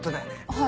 はい。